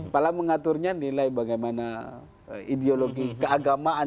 malah mengaturnya nilai bagaimana ideologi keagamaan